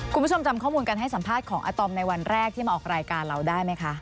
คุณผู้ชมจำข้อมูลการให้สัมภาษณ์ของอาตอมในวันแรกที่มาออกรายการเราได้ไหมคะ